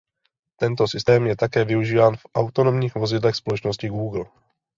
Tento systém je také využíván v autonomních vozidlech společnosti Google.